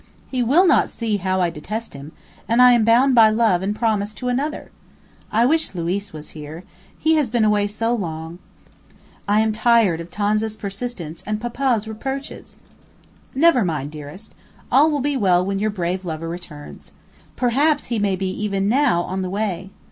He will not see how I detest him, and am bound by love and promise to another. I wish Luiz was here; he has been away so long. I am tired of Tonza's persistence and papa's reproaches." "Never mind, dearest; all will be well when your brave lover returns. Perhaps he may be even now on the way.